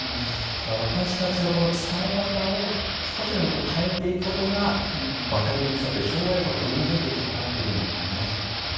私たちの伝え方を少しでも変えていくことが分かりにくさという障害を取り除いていくのかなというふうにも感じましたけどね。